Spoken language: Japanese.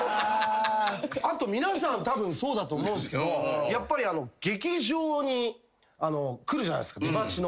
あと皆さんたぶんそうだと思うんすけどやっぱり劇場に来るじゃないっすか出待ちの。